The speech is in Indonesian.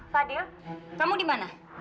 fadil kamu di mana